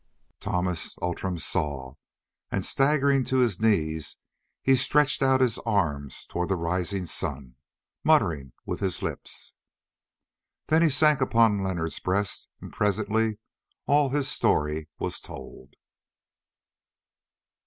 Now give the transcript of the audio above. Thomas Outram saw—and staggering to his knees he stretched out his arms towards the rising sun, muttering with his lips. Then he sank upon Leonard's breast, and presently all his story was told.